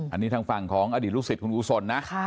อันนี้ทางฝั่งของอดีตลูกศิษย์คุณกุศลนะ